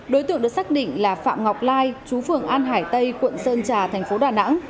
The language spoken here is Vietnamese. đối tượng được xác định là phạm ngọc lai chú phường an hải tây quận sơn trà thành phố đà nẵng